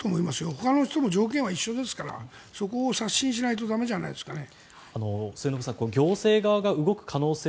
ほかの人も条件は一緒ですからそこを刷新しないと駄目じゃないですかね。